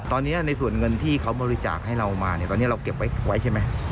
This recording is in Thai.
ตอนนี้ในส่วนเงินที่เขาบริจาคให้เรามาเนี่ยตอนนี้เราเก็บไว้ใช่ไหม